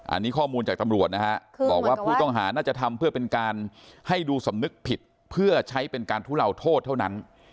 อันนี้ข้อมูลจากตำรวจนะฮะบอกว่าผู้ต้องหาน่าจะทำเพื่อเป็นการให้ดูสำนึกผิดเพื่อใช้เป็นการทุเลาโทษเท่านั้น